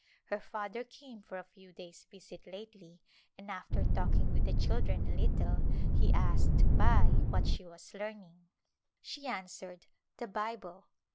Her father came for a {q^^^ days' visit lately and after talking with the children a little he asked Bai what she was learning. She answered, "The Bible."